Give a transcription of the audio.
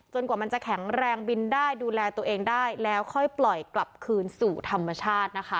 กว่ามันจะแข็งแรงบินได้ดูแลตัวเองได้แล้วค่อยปล่อยกลับคืนสู่ธรรมชาตินะคะ